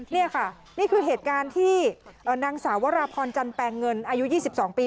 นี่ค่ะนี่คือเหตุการณ์ที่นางสาววราพรจันแปลงเงินอายุ๒๒ปี